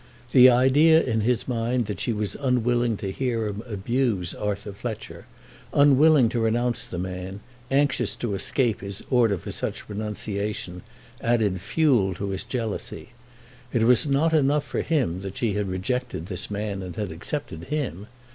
The idea in his mind that she was unwilling to hear him abuse Arthur Fletcher, unwilling to renounce the man, anxious to escape his order for such renunciation, added fuel to his jealousy. It was not enough for him that she had rejected this man and had accepted him.